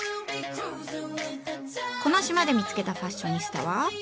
この島で見つけたファッショニスタは。